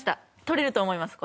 撮れると思います